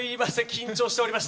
緊張しておりました。